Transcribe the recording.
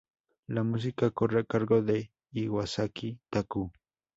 La música corre a cargo de Iwasaki Taku.